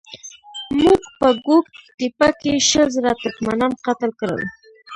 موږ په ګوک تېپه کې شل زره ترکمنان قتل کړل.